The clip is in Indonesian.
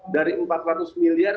dari empat ratus miliar